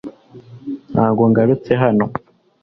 Ntabwo ngarutse hano .